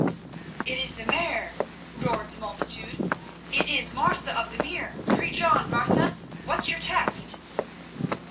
"It is the Mare," roared the multitude. "It is Martha of the Mere. Preach on, Martha. What's your text?"